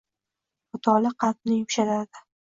Mutolaa qalbni yumshatadi.